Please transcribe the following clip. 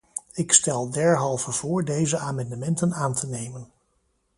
Ik stel derhalve voor deze amendementen aan te nemen.